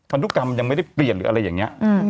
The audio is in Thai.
พันธุกรรมยังไม่ได้เปลี่ยนหรืออะไรอย่างนี้